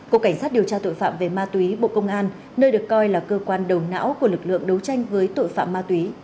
cục cảnh sát điều tra tội phạm về ma túy bộ công an nơi được coi là cơ quan đầu não của lực lượng đấu tranh với tội phạm ma túy